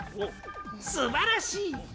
すばらしい！